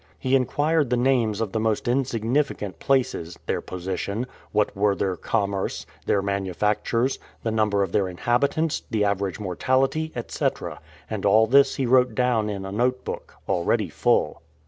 He inquired the names of the most insignificant places, their position, what were their commerce, their manufactures, the number of their inhabitants, the average mortality, etc., and all this he wrote down in a note book, already full.